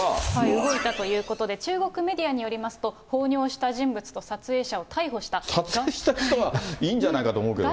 動いたということで、中国メディアによりますと、撮影した人はいいんじゃないかと思うけどな。